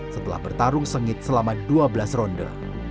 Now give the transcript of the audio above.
setelah bertarung sengit selama dua belas ronde